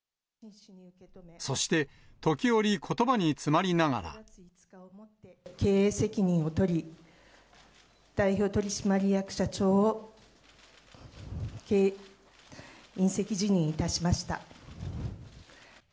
そして、時折、ことばに詰まりな経営責任を取り、代表取締役社長を引責辞任いたしました。